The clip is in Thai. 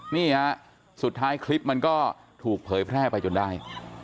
นี่ฮะสุดท้ายคลิปมันก็ถูกเผยแพร่ไปจนได้